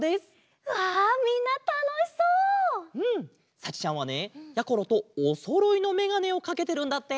さちちゃんはねやころとおそろいのめがねをかけてるんだって！